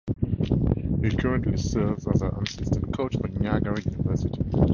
He currently serves as an assistant coach for Niagara University.